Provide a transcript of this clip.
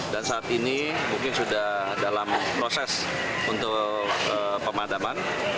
dan saat ini mungkin sudah dalam proses untuk pemadaman